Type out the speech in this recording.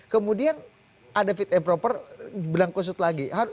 kemudian ada fit and proper berangkusut lagi